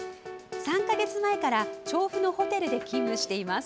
３か月前から調布のホテルで勤務しています。